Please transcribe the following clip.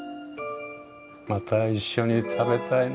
また一緒に食べたいな。